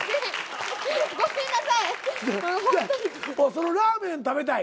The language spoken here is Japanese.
そのラーメン食べたい。